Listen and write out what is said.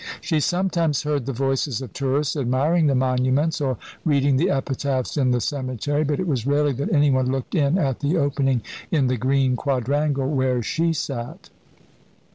She sometimes heard the voices of tourists admiring the monuments, or reading the epitaphs, in the cemetery; but it was rarely that anyone looked in at the opening in the green quadrangle where she sat.